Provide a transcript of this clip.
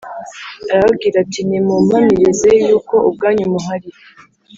arababwira ati Nimumpamirize yuko ubwanyu muhari